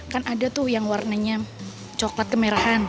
kan ada tuh yang warnanya coklat kemerahan